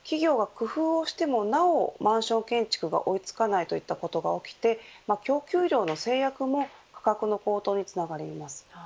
建設コストが高まる中で企業が工夫をしてもなおマンション建築が追いつかないということが起きて供給量の制約も価格の高騰につながります。